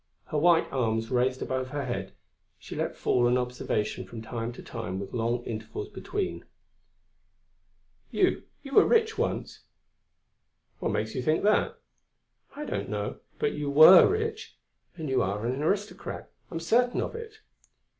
Her white arms raised above her head, she let fall an observation from time to time with long intervals between: "You, you were rich once." "What makes you think that?" "I don't know. But you were rich, and you are an aristocrat, I am certain of it."